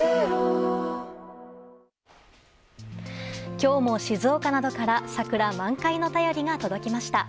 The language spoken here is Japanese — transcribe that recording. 今日も、静岡などから桜満開の便りが届きました。